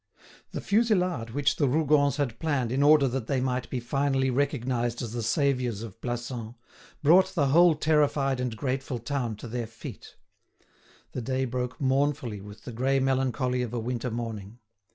The fusillade which the Rougons had planned in order that they might be finally recognised as the saviours of Plassans, brought the whole terrified and grateful town to their feet. The day broke mournfully with the grey melancholy of a winter morning.